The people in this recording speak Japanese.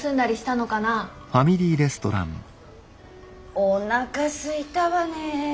おなかすいたわねえ。